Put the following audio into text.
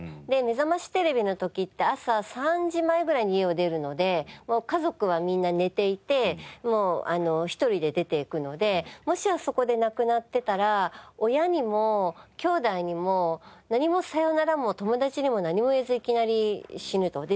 で『めざましテレビ』の時って朝３時前ぐらいに家を出るので家族はみんな寝ていて一人で出て行くのでもしあそこで亡くなってたら親にも兄弟にも何もさよならも友達にも何も言えずいきなり死ぬと。